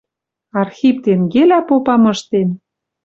Архип тенгелӓ попа мыштен